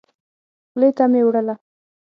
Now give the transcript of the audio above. خولې ته مي وړله .